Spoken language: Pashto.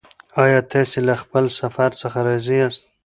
ایا تاسې له خپل سفر څخه راضي یاست؟